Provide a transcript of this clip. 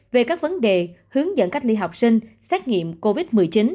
về các vấn đề hướng dẫn cách ly học sinh xét nghiệm covid một mươi chín